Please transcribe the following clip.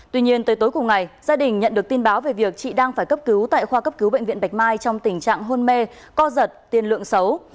tuy nhiên tới tối cùng ngày gia đình nhận được tin báo về việc chị đang phải cấp cứu tại khoa cấp cứu bệnh viện bạch mai trong tình trạng hôn mê co giật tiền lượng xấu